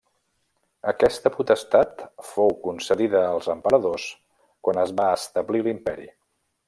Aquesta potestat fou concedida als emperadors quan es va establir l'Imperi.